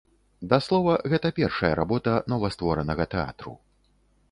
Да слова, гэта першая работа новастворанага тэатру.